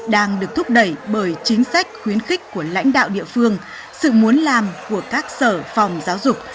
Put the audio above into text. đang được thúc đẩy bởi chính sách khuyến khích của lãnh đạo địa phương sự muốn làm của các sở phòng giáo dục